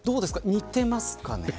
似てますかね。